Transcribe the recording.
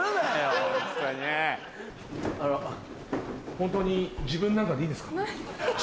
ホントに自分なんかでいいんですか？